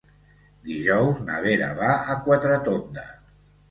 Dijous na Vera va a Quatretonda.